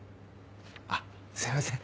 あっすいません。